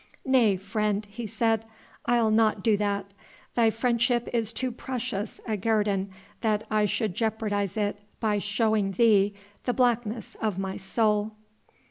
"Nay, friend," he said, "I'll not do that. Thy friendship is too precious a guerdon that I should jeopardise it by showing thee the blackness of my soul."